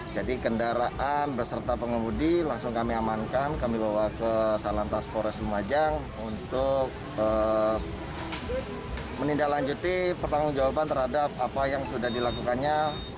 jadi kendaraan berserta pengemudi langsung kami amankan kami bawa ke salantas poras lumajang untuk menindaklanjuti pertanggung jawaban terhadap apa yang sudah dilakukannya